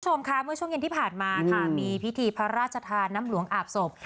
คุณผู้ชมค่ะเมื่อช่วงเย็นที่ผ่านมาค่ะมีพิธีพระราชทานน้ำหลวงอาบศพ